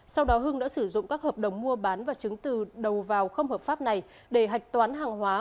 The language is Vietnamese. sau đó hưng đã sử dụng các hợp đồng mua bán và chứng từ đầu vào không hợp pháp này để hạch toán hàng hóa